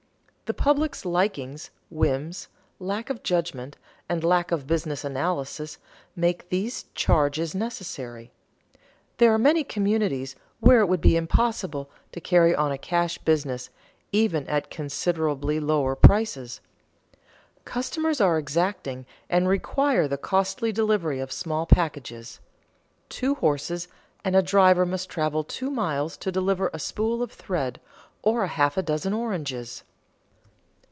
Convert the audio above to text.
The public's likings, whims, lack of judgment, and lack of business analysis make these charges necessary. There are many communities where it would be impossible to carry on a cash business even at considerably lower prices. Customers are exacting and require the costly delivery of small packages; two horses and a driver must travel two miles to deliver a spool of thread or a half dozen oranges.